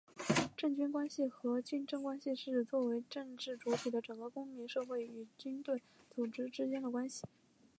政军关系或军政关系是指作为政治主体的整个公民社会与军队组织之间的关系。